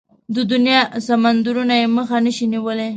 د دنيا سمندرونه يې مخه نشي نيولای.